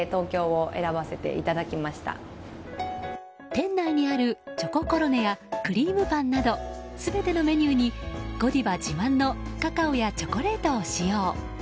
店内にある、チョココロネやクリームパンなど全てのメニューにゴディバ自慢のカカオやチョコレートを使用。